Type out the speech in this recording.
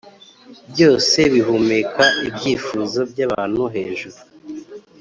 byose bihumeka ibyifuzo byabantu hejuru,